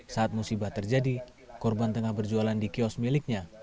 saat musibah terjadi korban tengah berjualan di kios miliknya